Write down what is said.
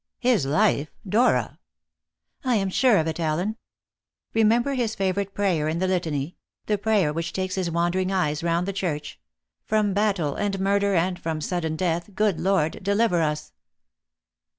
"His life? Dora!" "I am sure of it, Allen. Remember his favourite prayer in the Litany the prayer which takes his wandering eyes round the church: 'From battle and murder, and from sudden death, good Lord, deliver us.'"